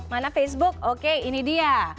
mana facebook oke ini dia